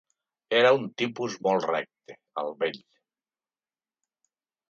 Era un tipus molt recte, el vell.